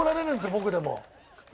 僕でも。